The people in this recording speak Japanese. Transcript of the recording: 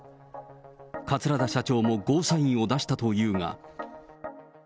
桂田社長もゴーサインを出したというが。